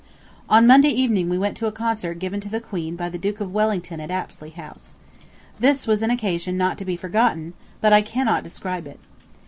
On Monday evening we went to a concert given to the Queen by the Duke of Wellington at Apsley House. This was an occasion not to be forgotten, but I cannot describe it.